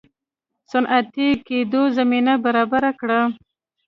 صنعتي کېدو زمینه برابره کړه.